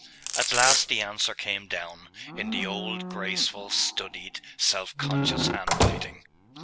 At last the answer came down, in the old graceful, studied, self conscious handwriting.